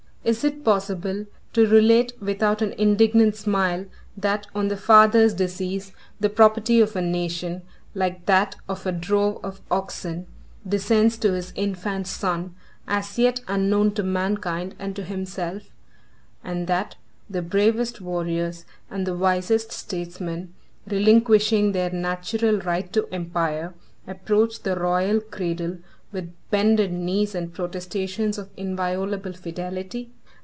Is it possible to relate without an indignant smile, that, on the father's decease, the property of a nation, like that of a drove of oxen, descends to his infant son, as yet unknown to mankind and to himself; and that the bravest warriors and the wisest statesmen, relinquishing their natural right to empire, approach the royal cradle with bended knees and protestations of inviolable fidelity?